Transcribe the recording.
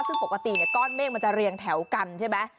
ซึ่งปกติก้อนเมฆมันจะเรียงแถวกันใช่ไหม